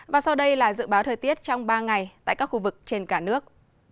và sau đây là dự báo thời tiết trong ba ngày tại các khu vực trên cả nước